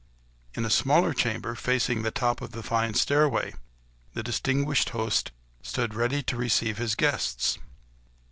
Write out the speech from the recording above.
In a smaller chamber, facing the top of the fine stairway, the distinguished host stood ready to receive his guests.